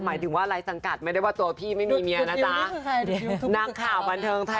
หมายถึงว่าไร้สังกัดไม่ได้ว่าตัวพี่ไม่มีเมียนะจ๊ะ